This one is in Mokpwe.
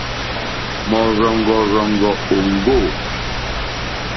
Mɔ̀rzɔ̀ŋɡɔ̀rzɔ̀ŋɡɔ̀ òŋɡô.